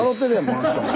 この人も。